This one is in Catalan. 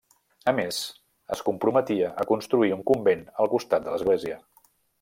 A més es comprometia a construir un convent al costat de l'església.